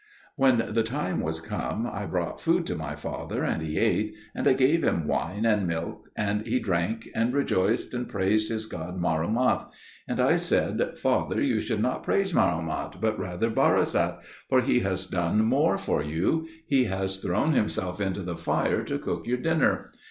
When the time was come, I brought food to my father and he ate, and I gave him wine and milk and he drank, and rejoiced and praised his god Marumath; and I said, "Father, you should not praise Marumath, but rather Barisat, for he has done more for you: he has thrown himself into the fire to cook your dinner."